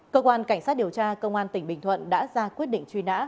cơ quan cảnh sát điều tra công an tỉnh bình thuận đã ra quyết định truy nã